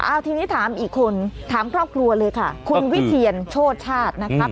เอาทีนี้ถามอีกคนถามครอบครัวเลยค่ะคุณวิเทียนโชชาตินะครับ